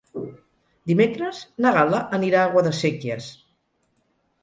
Dimecres na Gal·la anirà a Guadasséquies.